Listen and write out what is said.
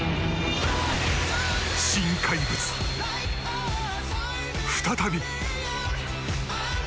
新怪物、再び。